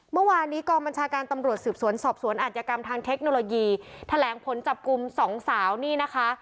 เมื่อวานนี้กองบัญชาการตำรวจสืบสวนสอบสวนอาจยกรรมทางเทคโนโลยีแถลงผลจับกลุ่มสองสาวนี่นะคะ